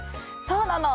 そうなの！